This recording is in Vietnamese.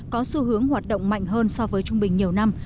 có xu hướng hoạt động mạnh hơn so với trung bình nhiều năm